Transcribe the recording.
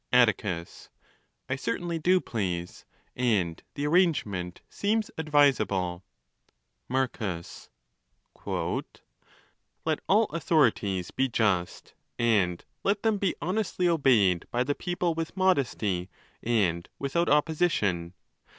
Atticus.—I certainly do please, and the arrangement seems advisable. III... Marcus —" Let all authorities be just, and let them be honestly obeyed by the people with modesty and without opposition.